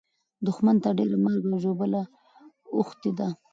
دښمن ته ډېره مرګ او ژوبله اوښتې ده.